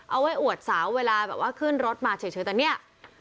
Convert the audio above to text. เอาไว้อวดสาวเวลาแบบว่าขึ้นรถมาเฉยแต่เนี่ย